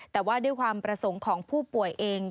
แต่ว่าด้วยความประสงค์ของผู้ป่วยเอง